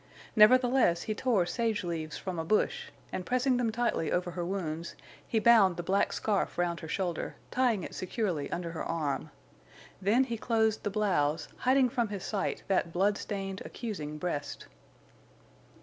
Nevertheless, he tore sageleaves from a bush, and, pressing them tightly over her wounds, he bound the black scarf round her shoulder, tying it securely under her arm. Then he closed the blouse, hiding from his sight that blood stained, accusing breast.